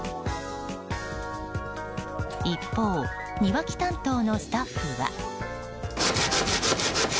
一方、庭木担当のスタッフは。